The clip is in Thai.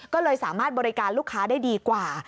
ก็เลยสามารถบริการลูกค้าได้ดีกว่า